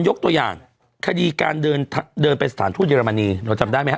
ยกตัวอย่างคดีการเดินไปสถานทูตเยอรมนีเราจำได้ไหมฮ